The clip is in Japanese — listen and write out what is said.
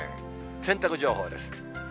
洗濯情報です。